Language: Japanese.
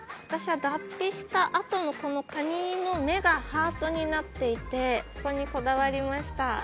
私は脱皮したあとのこのカニの目がハートになっていてここにこだわりました。